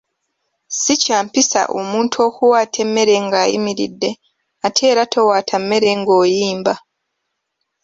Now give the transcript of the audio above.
Si kya mpisa omuntu okuwaata emmere ng’ayimiridde ate era towaata mmere ng’oyimba.